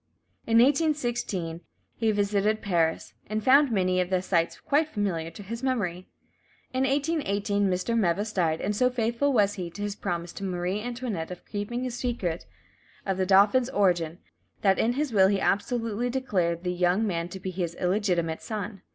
In 1816 he visited Paris, and found many of the sights quite familiar to his memory. In 1818 Mr. Meves died, and so faithful was he to his promise to Marie Antoinette of keeping the secret of the dauphin's origin, that in his will he absolutely declared the young man to be "his illegitimate son."